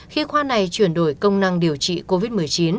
khi khoa này chuyển đổi công năng điều trị covid một mươi chín